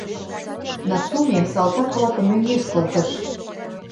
Нацуме салтак-влакым мӧҥгеш колтыш.